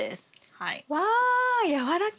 はい。